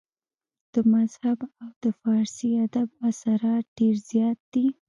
د مذهب او د فارسي ادب اثرات ډېر زيات دي